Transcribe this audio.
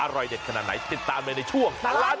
อร่อยเด็ดขนาดไหนติดตามในช่วงสลานกิน